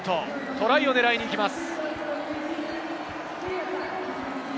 トライを狙いに行きます。